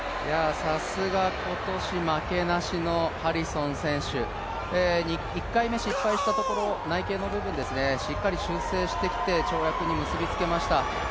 さすが、今年負けなしのハリソン選手、１回目失敗したところ内傾の部分しっかり修正してきて跳躍に結び付けました。